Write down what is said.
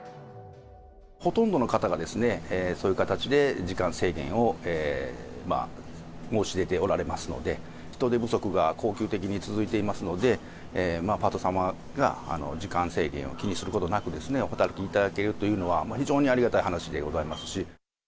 ほとんどの方がそういう形で時間制限を申し出ておられますので、人手不足が恒久的に続いていますので、パート様が時間制限を気にすることなくお働きいただけるというのは、非常にありがたい話でございますし。